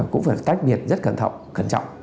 cũng phải tách biệt rất cẩn thọng cẩn trọng